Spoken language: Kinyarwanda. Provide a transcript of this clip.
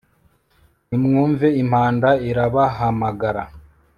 nimwumve impanda irabahamagara